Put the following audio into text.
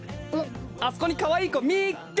あそこにかわいい子みっけ！